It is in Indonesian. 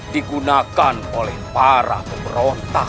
digunakan oleh para pemberontak